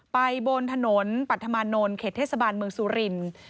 บนถนนปัธมานนท์เขตเทศบาลเมืองสุรินทร์